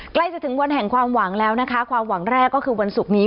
ใกล้จะถึงวันแห่งความหวังแล้วนะคะความหวังแรกก็คือวันศุกร์นี้